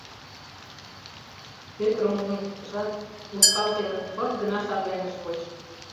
Пӧтырым ужын шуктышат, ушкал семын пырт гына шарлен ыш воч.